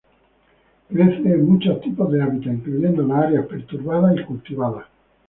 Crece en muchos tipos de hábitat, incluyendo las áreas perturbadas y cultivadas.